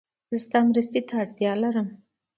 زه ستا مرستې ته اړتیا لرم